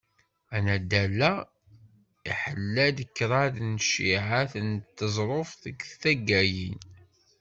Anaddal-a, iḥella-d kraḍ n cciεat n teẓruft deg taggayin.